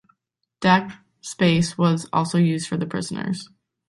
Deck space was also used for the prisoners.